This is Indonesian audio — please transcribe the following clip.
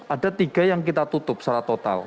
ada tiga yang kita tutup secara total